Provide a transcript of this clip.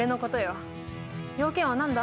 用件は何だ？